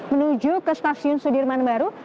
menuju ke stasiun sudirman baru